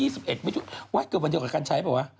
วะเกิดวันนี้เกิดใดกับการใช้เปล่าเหรอ